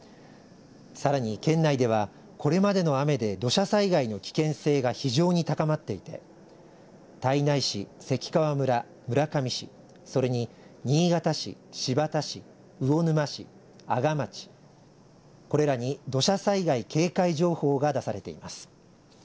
さらに県内ではこれまでの雨で土砂災害の危険性が非常に高まっていて胎内市、関川村、村上市それに、新潟市、新発田市魚沼市、阿賀町これらに土砂災害警戒情報が出されています。